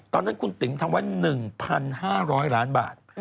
ตอนนั้นคุณติ๋มทำไว้๑๕๐๐ล้านบาท